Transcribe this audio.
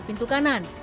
di pintu kanan